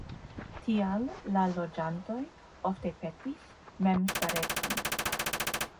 Tial la loĝantoj ofte petis memstarecon.